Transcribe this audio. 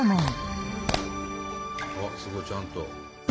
すごいちゃんと。